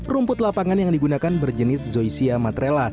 rumput lapangan yang digunakan berjenis zoysia matrela